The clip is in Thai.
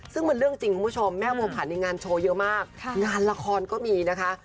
ซึ่งมันเรื่องจริงคุณผู้ชมแม่บัวผันในงานโชว์เยอะมากงานละครก็มีนะคะ